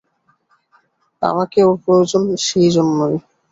আমাকে ওর প্রয়োজন সেইজন্যেই।